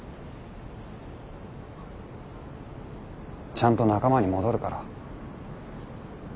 ちゃんと仲間に戻るから。